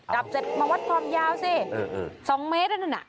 จับเสร็จมาวัดความยาวสิ๒เมตรอันนั้นน่ะ